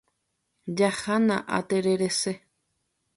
Jahána. Atererese.